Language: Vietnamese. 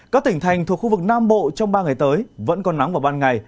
các tỉnh thành thuộc khu vực nam bộ trong ba ngày tới vẫn còn nắng vào ban ngày